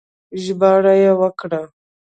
ژباړه يې وکړه